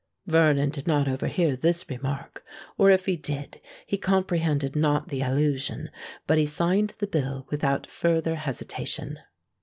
Vernon did not overhear this remark—or, if he did, he comprehended not the allusion; but he signed the bill without farther hesitation.